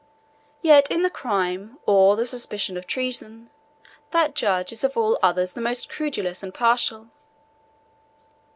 Yet in the crime, or the suspicion, of treason, that judge is of all others the most credulous and partial.